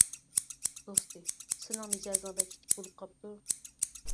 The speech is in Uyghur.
دوستى:-سېنىڭ مىجەزىڭ بەك ئىتتىك بولۇپ قاپتۇ.